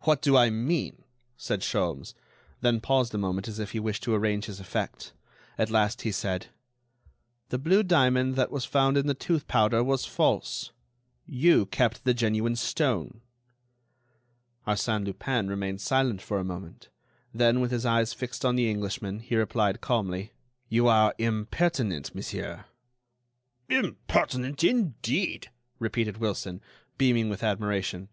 "What do I mean?" said Sholmes, then paused a moment as if he wished to arrange his effect. At last he said: "The blue diamond that was found in the tooth powder was false. You kept the genuine stone." Arsène Lupin remained silent for a moment; then, with his eyes fixed on the Englishman, he replied, calmly: "You are impertinent, monsieur." "Impertinent, indeed!" repeated Wilson, beaming with admiration.